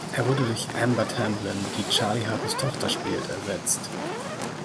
Er wurde durch Amber Tamblyn, die Charlie Harpers Tochter spielt, ersetzt.